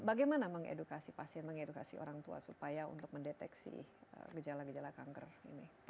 bagaimana mengedukasi pasien mengedukasi orang tua supaya untuk mendeteksi gejala gejala kanker ini